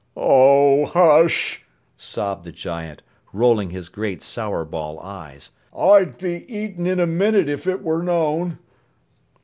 "Oh, hush!" sobbed the giant, rolling his great sourball eyes. "I'd be eaten in a minute if it were known."